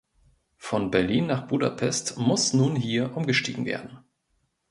Von Berlin nach Budapest muss nun hier umgestiegen werden.